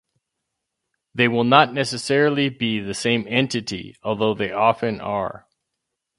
They will not necessarily be the same entity, although they often are.